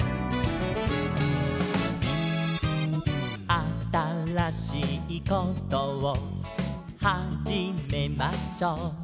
「あたらしいことをはじめましょう」